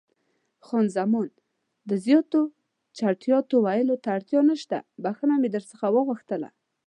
خان زمان: د زیاتو چټیاتو ویلو ته اړتیا نشته، بښنه مې در څخه وغوښتله.